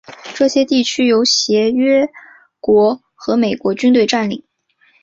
这些地区由协约国和美国军队占领。